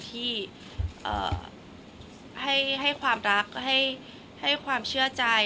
ที่ให้ความรักให้ความเชื่อใจ